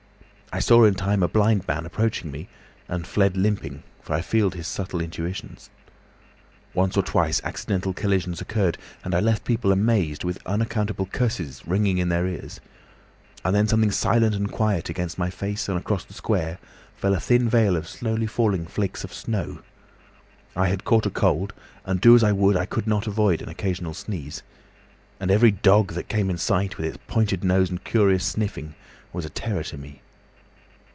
I saw in time a blind man approaching me, and fled limping, for I feared his subtle intuitions. Once or twice accidental collisions occurred and I left people amazed, with unaccountable curses ringing in their ears. Then came something silent and quiet against my face, and across the Square fell a thin veil of slowly falling flakes of snow. I had caught a cold, and do as I would I could not avoid an occasional sneeze. And every dog that came in sight, with its pointing nose and curious sniffing, was a terror to me.